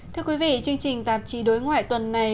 thưa quý vị chương trình tạp chí đối ngoại tuần này